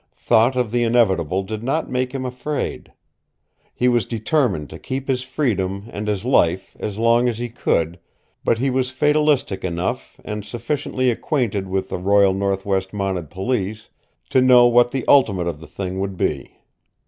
Thought of the inevitable did not make him afraid. He was determined to keep his freedom and his life as long as he could, but he was fatalistic enough, and sufficiently acquainted with the Royal Northwest Mounted Police, to know what the ultimate of the thing would be.